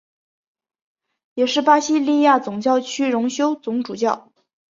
也是巴西利亚总教区荣休总主教。